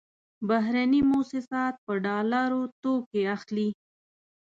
بهرني موسسات په ډالرو توکې اخلي.